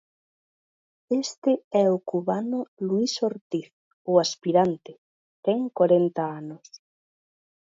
Este é o cubano Luís Ortiz, o aspirante, ten corenta anos.